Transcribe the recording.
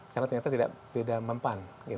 karena ternyata tidak mempan